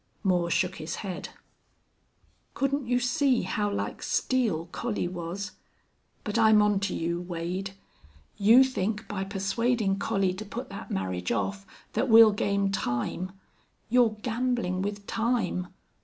Moore shook his head. "Couldn't you see how like steel Collie was?... But I'm on to you, Wade. You think by persuading Collie to put that marriage off that we'll gain time. You're gambling with time.